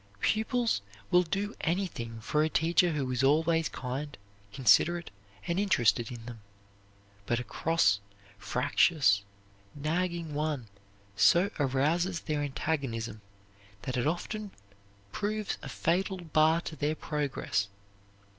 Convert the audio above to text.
Pupils will do anything for a teacher who is always kind, considerate, and interested in them; but a cross, fractious, nagging one so arouses their antagonism that it often proves a fatal bar to their progress.